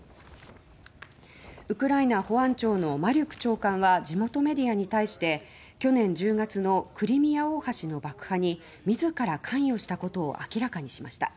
ウクライナ保安庁のマリュク長官は地元メディアに対して去年１０月のクリミア大橋の爆破に自ら関与したことを明らかにしました。